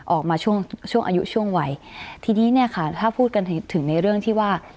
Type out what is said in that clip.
ออกมาช่วงช่วงอายุช่วงวัยทีนี้เนี่ยค่ะถ้าพูดกันถึงในเรื่องที่ว่า